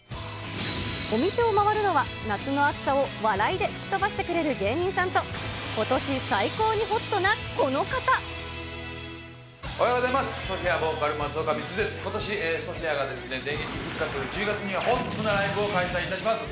お店を回るのは、夏の暑さを笑いで吹き飛ばしてくれる芸人さんと、ことし最高にホおはようございます。